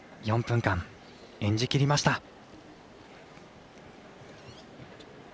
４分間演じきりました。